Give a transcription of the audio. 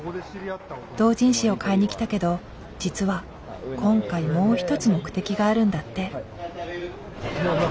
同人誌を買いに来たけど実は今回もう一つ目的があるんだって。